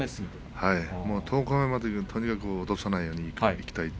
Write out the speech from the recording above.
十日目まではとにかく落とさないようにいきたい。